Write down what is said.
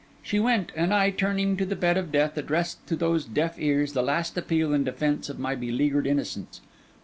She went: and I, turning to the bed of death, addressed to those deaf ears the last appeal and defence of my beleaguered innocence.